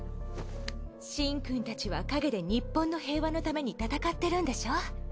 シンくんたちは陰で日本の平和のために戦ってるんでしょ？